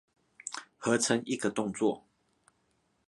合成一個動作